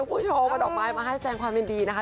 คุณผู้ชมเอาดอกไม้มาให้แสงความยินดีนะคะ